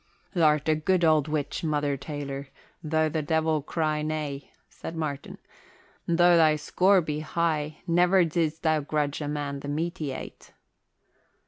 "Th' art a good old witch, Mother Taylor, though the Devil cry nay," said Martin. "Though thy score be high never did'st thou grudge a man the meat he ate."